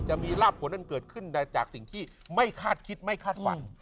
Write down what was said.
จะมีลาบผลอันเกิดขึ้นจากสิ่งที่ไม่คาดคิดไม่คาดฝัน